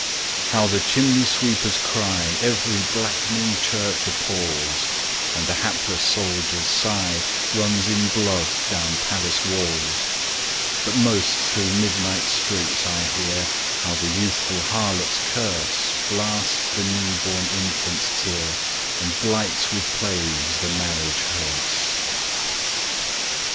How the chimney sweeper's cry Every blackening church appals; And the hapless soldier's sigh Runs in blood down palace walls But most through midnight streets I hear How the youthful harlot's curse Blasts the new born infant's tear, And blights with plagues the marriage hearse.